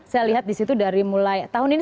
saya lihat di situ dari mulai tahun ini